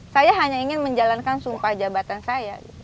saya hanya ingin menjalankan sumpah jabatan saya